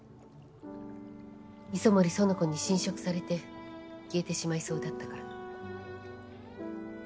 磯森苑子に侵食されて消えてしまいそうだったから。